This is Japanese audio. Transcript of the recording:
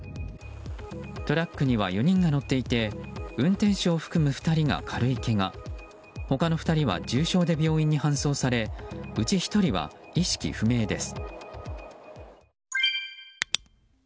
トラックには４人が乗っていて運転手を含む２人が軽いけが他の２人は重傷で病院に搬送されうち１人は意識不明です。